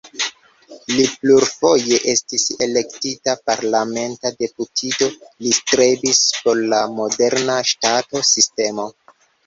Li plurfoje estis elektita parlamenta deputito, li strebis por la moderna ŝtato-sistemo.